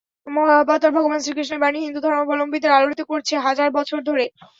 মহাবতার ভগবান শ্রীকৃষ্ণের বাণী হিন্দু ধর্মাবলম্বীদের আলোড়িত করছে হাজার বছর ধরে।